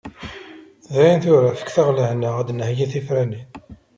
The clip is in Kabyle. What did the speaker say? Dayen tura, fket-aɣ lehna ad d-nheyyi tifranin.